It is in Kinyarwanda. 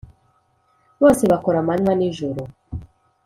Bose bakora amanywa n’ijoro,